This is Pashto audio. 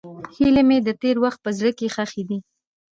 هیلې مې د تېر وخت په زړه کې ښخې دي.